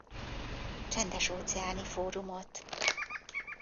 Csendes-óceáni Fórumot.